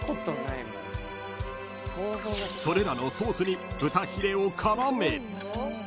［それらのソースに豚ヒレを絡め］